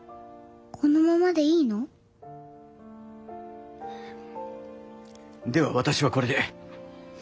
このままでいいの？では私はこれで。